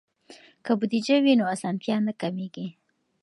که بودیجه وي نو اسانتیا نه کمېږي.